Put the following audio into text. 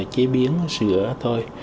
chế biến sữa thôi